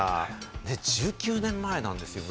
で、１９年前なんですよね、これ。